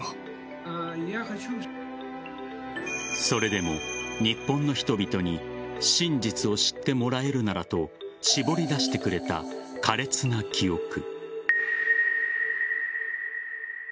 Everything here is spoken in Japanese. それでも日本の人々に真実を知ってもらえるならと絞り出してくれた苛烈な記憶。